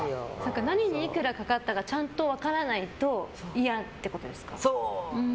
何にいくらかかったかちゃんと分からないと嫌ってことですか？